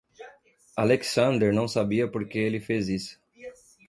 Alexander não sabia por que ele fez isso.